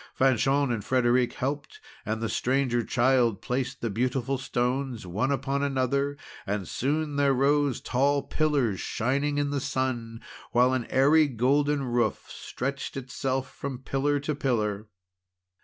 Fanchon and Frederic helped, and the Stranger Child placed the beautiful stones one upon another, and soon there rose tall pillars shining in the sun, while an airy golden roof stretched itself from pillar to pillar.